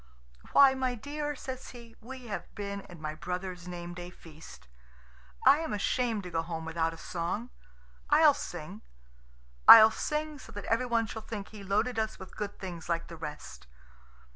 "Why, my dear" says he, "we have been at my brother's name day feast. I am ashamed to go home without a song. I'll sing. I'll sing so that everyone shall think he loaded us with good things like the rest."